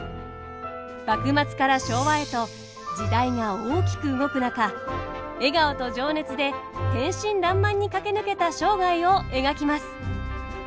幕末から昭和へと時代が大きく動く中笑顔と情熱で天真らんまんに駆け抜けた生涯を描きます。